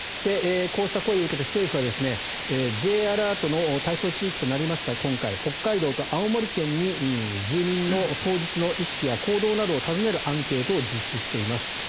こうした声を受けて政府は今回Ｊアラートの対象地域となった北海道と青森県に住民の当日の意識や行動などを尋ねるアンケートを実施しています。